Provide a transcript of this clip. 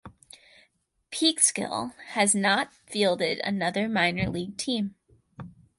Peekskill has not fielded another minor league team.